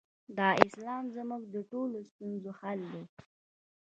دا اسلام زموږ د ټولو ستونزو حل دی.